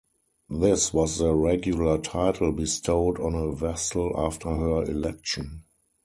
This was the regular title bestowed on a Vestal after her election.